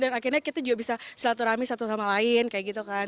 dan akhirnya kita juga bisa silaturahmi satu sama lain kayak gitu kan